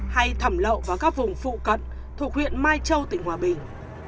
hay thẩm lậu vào các vùng phụ cận thuộc huyện mai châu tỉnh hòa bình